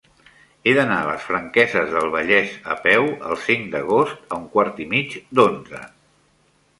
He d'anar a les Franqueses del Vallès a peu el cinc d'agost a un quart i mig d'onze.